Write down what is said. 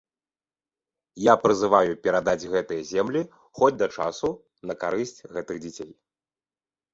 Я прызываю перадаць гэтыя землі, хоць да часу, на карысць гэтых дзяцей.